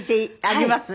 あります？